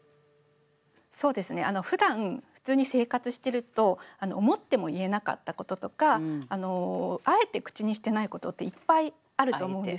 そうですねふだん普通に生活してると思っても言えなかったこととかあえて口にしてないことっていっぱいあると思うんですよ。ありますね。